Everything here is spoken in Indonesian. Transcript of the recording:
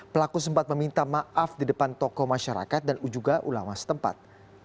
pelaku sempat meminta maaf di depan toko masyarakat dan juga ulama setempat